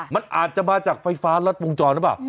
มันอาจจะมาจากไฟฟ้ารถวงจรนะป่ะ